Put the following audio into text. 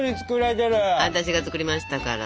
私が作りましたから。